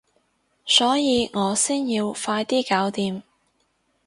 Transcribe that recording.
所以我先要快啲搞掂